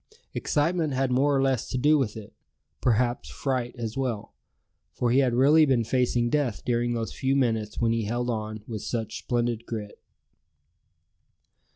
Excitement had more or less to do with it, perhaps fright as well; for he had really been facing death during those few minutes when he held on with such splendid grit.